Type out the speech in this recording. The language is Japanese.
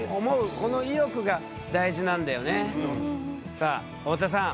さあ太田さん